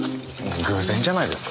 偶然じゃないですか？